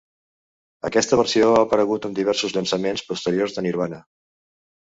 Aquesta versió ha aparegut en diversos llançaments posteriors de Nirvana.